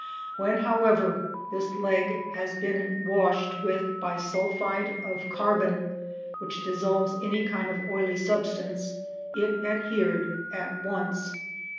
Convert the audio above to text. When, however, this leg had been washed with bisulphide of carbon, which dissolves any kind of oily substance, it adhered at once.